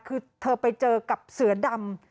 คือเธอไปเจอกับเสือดำ